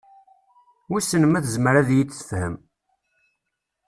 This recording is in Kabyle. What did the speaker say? Wissen ma tezmer ad iyi-d-tefhem?